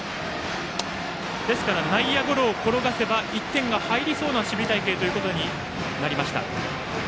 ですから内野ゴロを転がせば１点が入りそうな守備隊形となりました。